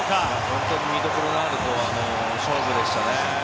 本当に見どころのある勝負でしたね。